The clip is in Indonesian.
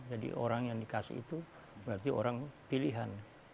jadi orang yang dikasih itu berarti orang pilihan